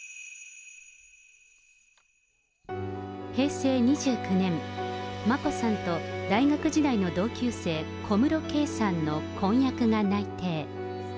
平成２９年、眞子さんと大学時代の同級生、小室圭さんの婚約が内定。